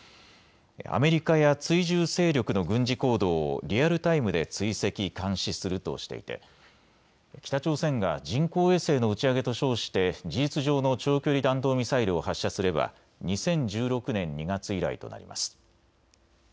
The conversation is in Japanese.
アメリカや追従勢力の軍事行動をリアルタイムで追跡・監視するとしていて北朝鮮が人工衛星の打ち上げと称して事実上の長距離弾道ミサイルを発射すれば２０１６年２月以来となります。